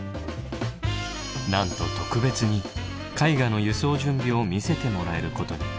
なんと特別に絵画の輸送準備を見せてもらえることに。